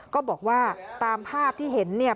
ก็บอกว่าตามภาพที่เห็นเนี่ย